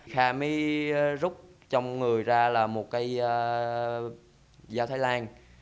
kha mới rút trong người ra là một cây dao thái lan